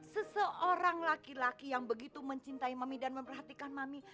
seseorang laki laki yang begitu mencintai mami dan memperhatikan mami